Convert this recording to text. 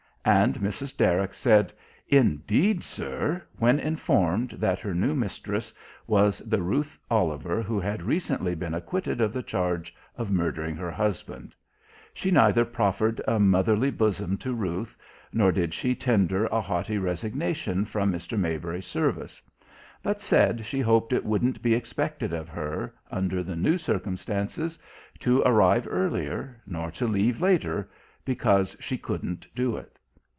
And Mrs. Derrick said: "Indeed, sir," when informed that her new mistress was the Ruth Oliver who had recently been acquitted of the charge of murdering her husband; she neither proffered a motherly bosom to Ruth, nor did she tender a haughty resignation from Mr. Maybury's service; but said she hoped it wouldn't be expected of her, under the new circumstances, to arrive earlier, nor to leave later, because she couldn't do it.